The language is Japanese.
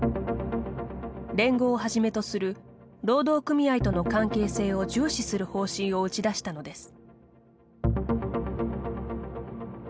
連合をはじめとする労働組合との関係性を重視する方針を打ち出したのです。